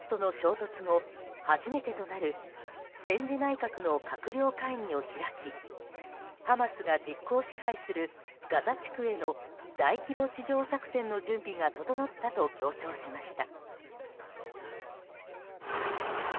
イスラム組織ハマスとの衝突後初めてとなる戦時内閣の閣僚会議を開きハマスが実効支配するガザ地区への大規模地上作戦の準備が整ったと強調しました。